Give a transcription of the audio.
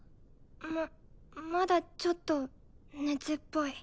ままだちょっと熱っぽい。